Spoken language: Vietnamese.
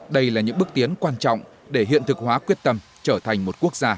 đây là những bước tiến quan trọng để hiện thực hóa quyết tâm trở thành một quốc gia